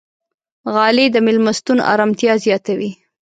غالۍ د میلمستون ارامتیا زیاتوي.